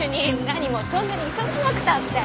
何もそんなに急がなくたって。